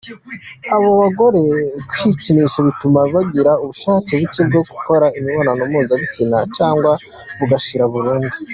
Ku bagore, kwikinisha bituma bagira ubushake buke bwo gukora imibonano mpuzabitsina cyangwa bugashira burundu.